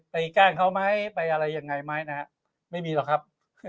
แกล้งเขาไหมไปอะไรยังไงไหมนะฮะไม่มีหรอกครับ